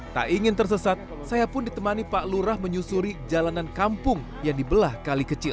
tak ingin tersesat saya pun ditemani pak lurah menyusuri jalanan kampung yang dibelah kali kecil